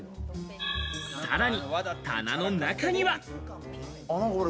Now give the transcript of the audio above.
さらに棚の中には。